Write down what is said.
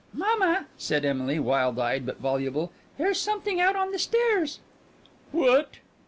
"Mamma," said Emily, wild eyed but voluble, "there's something out on the stairs." "What?"